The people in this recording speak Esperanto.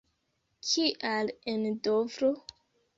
Kial en Dovro?